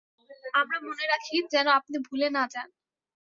আমরা মনে রাখি, যেন আপনি ভুলে না যান।